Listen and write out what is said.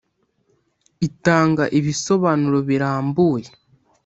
Itanga ibisobanuro birambuye